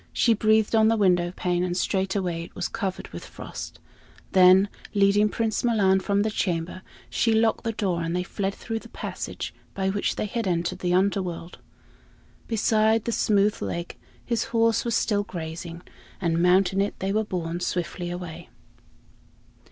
She breathed on the window pane, and straightway it was covered with frost; then, leading Prince Milan from the chamber, she locked the door, and they fled through the passage by which they had entered the Underworld. Beside the smooth lake his horse was still grazing, and mounting it, they were borne swiftly away.